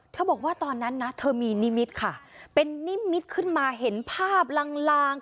บอกว่าตอนนั้นนะเธอมีนิมิตรค่ะเป็นนิมิตขึ้นมาเห็นภาพลางลาง